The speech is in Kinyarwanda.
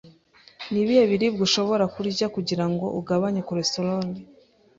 Nibihe biribwa ushobora kurya kugirango ugabanye cholesterol?